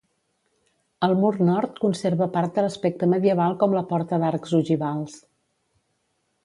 El mur nord conserva part de l'aspecte medieval com la porta d'arcs ogivals.